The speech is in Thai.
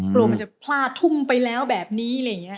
กลัวมันจะพลาดทุ่มไปแล้วแบบนี้อะไรอย่างนี้